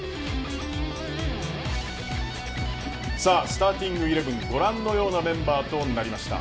スターティングイレブンご覧のようなメンバーとなりました。